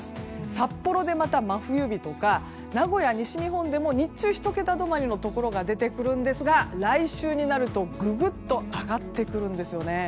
札幌で、また真冬日とか名古屋、西日本でも日中１桁止まりのところが出てきますが来週になると、ググっと上がってくるんですよね。